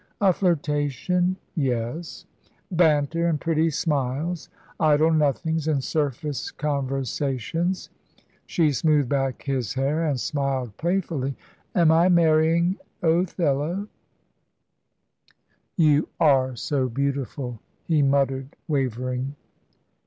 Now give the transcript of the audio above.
A flirtation, yes; banter and pretty smiles, idle nothings and surface conversations." She smoothed back his hair and smiled playfully. "Am I marrying Othello?" "You are so beautiful," he muttered, wavering.